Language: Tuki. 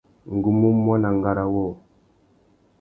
Ngu mú muaná ngárá wôō.